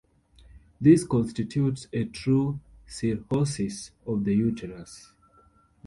This constitutes a true cirrhosis of the uterus.